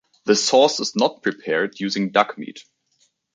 The sauce is not prepared using duck meat.